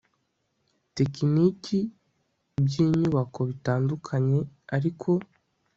tekiniki by inyubako bitandukanye ariko